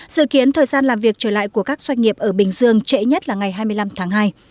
dự kiến thời gian làm việc trở lại của các doanh nghiệp ở bình dương trễ nhất là ngày hai mươi năm tháng hai